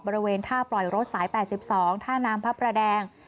บริเวณท่าปล่อยรถสายแปดสิบสองถ้านำพภะแดง